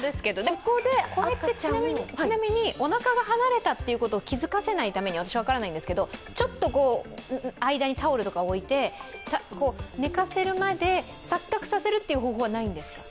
ちなみにおなかが離れたということを気付かせないために、私、分からないんですけど、ちょっと間にタオルとか置いて寝かせるまで、錯覚させるという方法はないんですか？